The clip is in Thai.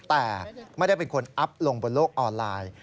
แต่ไม่ได้เป็นคนอัพลงบนโลกออนไลน์